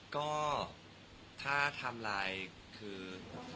ก็ถ้าไทม์ไลน์คือ